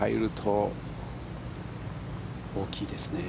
大きいですね。